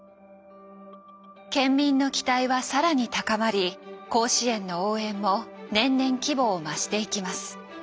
県民の期待は更に高まり甲子園の応援も年々規模を増していきます。